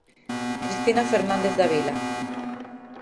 Cristina Fernández Davila.